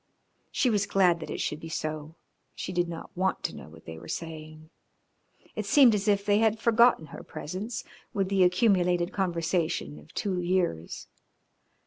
She was glad that it should be so, she did not want to know what they were saying. It seemed as if they had forgotten her presence with the accumulated conversation of two years.